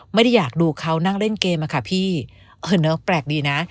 ไม่ได้อยากดูเขานั่งเล่นเกมอะค่ะพี่เออเนอะแปลกดีนะ